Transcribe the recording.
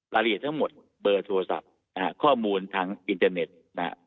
รายละเอียดทั้งหมดเบอร์โทรศัพท์นะฮะข้อมูลทางอินเทอร์เน็ตนะฮะ